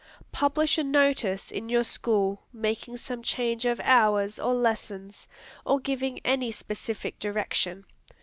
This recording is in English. Publish a notice in your school, making some change of hours or lessons, or giving any specific direction.